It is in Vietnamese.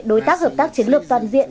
đối tác hợp tác chiến lược toàn diện